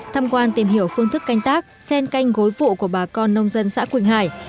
tham quan tìm hiểu phương thức canh tác sen canh gối vụ của bà con nông dân xã quỳnh hải